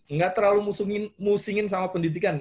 nggak terlalu musingin sama pendidikan